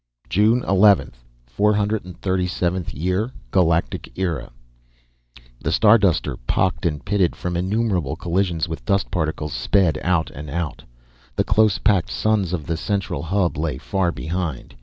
JUNE 11, 437th Year GALACTIC ERA The Starduster, pocked and pitted from innumerable collisions with dust particles, sped out and out. The close packed suns of the central hub lay far behind.